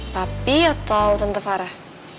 papi atau tante farah